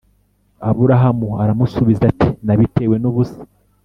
Aburahamu aramusubiza ati nabitewe n’ubusaza